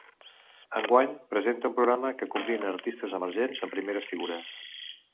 Enguany, presenta un programa que combina artistes emergents amb primeres figures.